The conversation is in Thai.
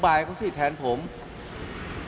ท่านก็ให้เกียรติผมท่านก็ให้เกียรติผม